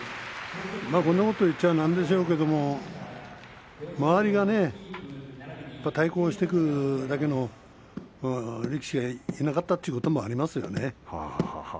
こんなことを言ってはなんですけれど周りが対抗していくだけの力士がいなかったということもありますよね。